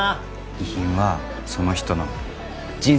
遺品はその人の人生ですから。